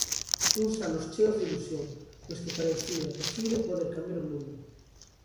Uns anos cheos de ilusión, nos que parecía posible poder cambiar o mundo.